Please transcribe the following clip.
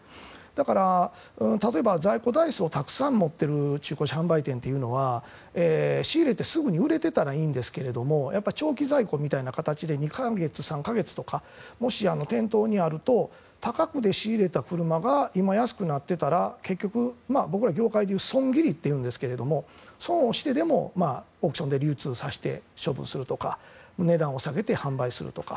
だから、例えば在庫台数をたくさん持っている中古車販売店は仕入れてすぐに売れていたらいいんですが長期在庫みたいな形で２か月、３か月とか店頭にあると高く仕入れた車が今、安くなっていたら結局、僕らの業界で損切りというんですけど損をしてでもオークションで流通させて処分するとか値段を下げて販売するとか。